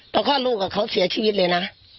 พอคลอดลูกกับเขาเสียชีวิตเลยนะ